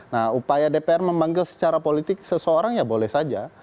nah upaya dpr memanggil secara politik seseorang ya boleh saja